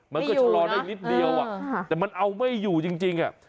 มันก็ชะลอได้นิดเดียวแต่มันเอาไม่อยู่จริง